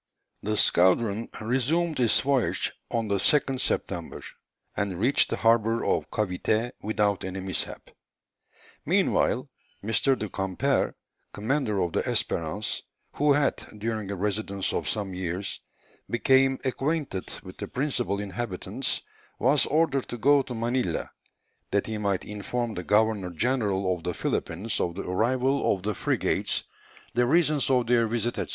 The squadron resumed its voyage on the 2nd September, and reached the harbour of Cavité without any mishap. Meanwhile, M. du Camper, commander of the Espérance who had, during a residence of some years, become acquainted with the principal inhabitants, was ordered to go to Manilla, that he might inform the Governor General of the Philippines of the arrival of the frigates, the reasons of their visit, &c.